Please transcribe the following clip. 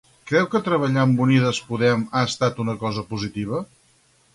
Creu que treballar amb Unides Podem ha estat una cosa positiva?